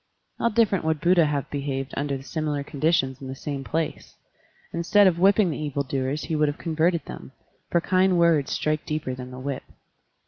How different would Buddha have behaved tinder similar conditions in the same place! Instead of whipping the evil doers he would have converted them, for kind words strike deeper than the whip.